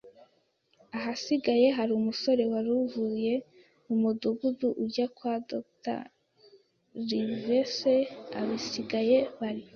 ahasigaye, yari umusore wari uvuye mumudugudu ujya kwa Dr. Livesey; abasigaye bari